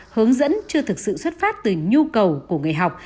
hướng dẫn chưa thực sự xuất phát từ nhu cầu của người học